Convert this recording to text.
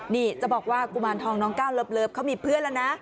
นี่จะบอกว่ากุมารทองน้องก้าวเลิฟเขามีเพื่อนแล้วนะ